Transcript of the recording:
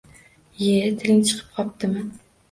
Iye, tiling chiqib qopdimi?